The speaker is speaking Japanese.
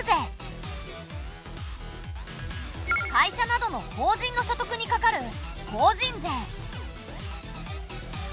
会社などの法人の所得にかかる法人税。